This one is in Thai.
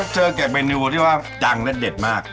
เจอกับเมนูที่ว่าดังและเด็ดมาก